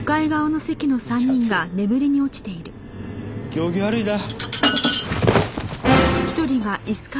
行儀悪いな。